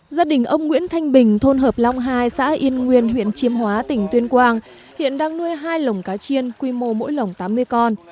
gia đình ông nguyễn thanh bình thôn hợp long hai xã yên nguyên huyện chiêm hóa tỉnh tuyên quang hiện đang nuôi hai lồng cá chiên quy mô mỗi lồng tám mươi con